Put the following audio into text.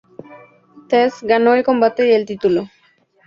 Thesz ganó el combate y el título.